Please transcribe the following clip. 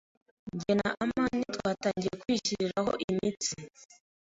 Jye na amani twatangiye kwishyiriraho imitsi.